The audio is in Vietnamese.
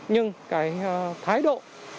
nhưng cái thái độ